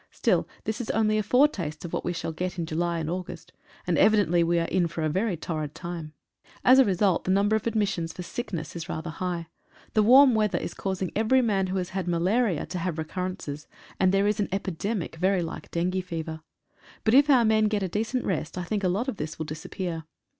Still this is only a foretaste of what we shall get in July and August, and evidently we are in for a very torrid 84 GAS WARFARE. time. As a result, the number of admissions for sickness is rather high. The warm weather is causing every man who has had malaria to have recurrences, and there is an epidemic very like dengue fever. But if our men get a decent rest I think a lot of this will disappear.